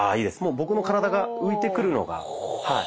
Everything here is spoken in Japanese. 僕の体が浮いてくるのがはい。